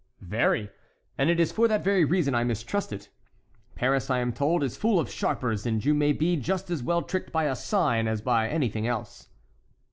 "Very! and it is for that very reason I mistrust it. Paris, I am told, is full of sharpers, and you may be just as well tricked by a sign as by anything else."